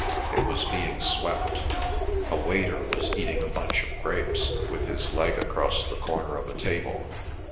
It was being swept; a waiter was eating a bunch of grapes with his leg across the corner of a table.